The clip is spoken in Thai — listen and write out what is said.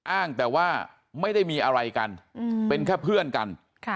อ้างแต่ว่าไม่ได้มีอะไรกันเป็นแค่เพื่อนกัน